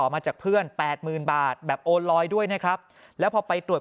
มาจากเพื่อนแปดหมื่นบาทแบบโอนลอยด้วยนะครับแล้วพอไปตรวจ